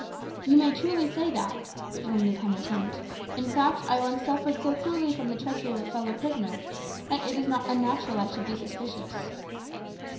"You may truly say that," returned the penitent. "In fact, I once suffered so cruelly from the treachery of a fellow prisoner, that it is not unnatural I should be suspicious."